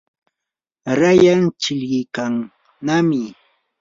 rayan chilqikannami.